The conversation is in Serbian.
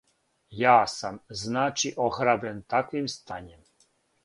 Ја сам, значи, охрабрен таквим стањем.